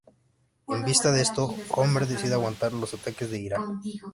En vista de esto, Homer decide aguantar los ataques de ira.